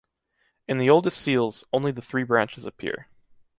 In the oldest seals, only the three branches appear.